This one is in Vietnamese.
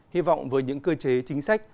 hy vọng với những cơ chế chính sách